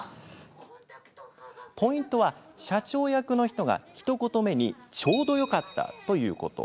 ポイントは社長役の人が、ひと言目に「ちょうどよかった！」と言うこと。